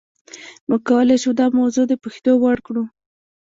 موږ کولای شو دا موضوع د پوهېدو وړ کړو.